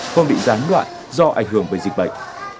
không bị gián đoạn do ảnh hưởng bởi dịch bệnh